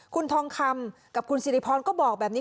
คุณทองคำกับคุณสิริพรก็บอกแบบนี้